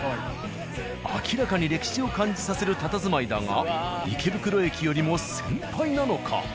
明らかに歴史を感じさせるたたずまいだが池袋駅よりも先輩なのか？